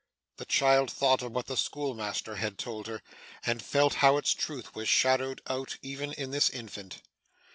The child thought of what the schoolmaster had told her, and felt how its truth was shadowed out even in this infant.